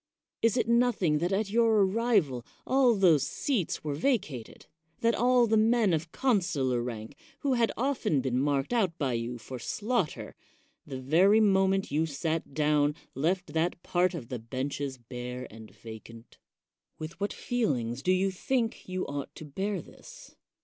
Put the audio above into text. Is it noth ing that at your arrival all those seats were vacated ? that all the men of consular rank, who had often been marked out by you for slaughter, the very moment you sat down, left that part of the benches bare and vacant? With what feel ings do you think you ought to bear this?